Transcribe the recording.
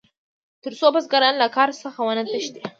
تر څو بزګران له کار څخه ونه تښتي.